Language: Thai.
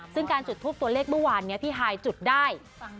ซึ่งการจุดทูปตัวเลขเมื่อวานนี้พี่ฮายจุดได้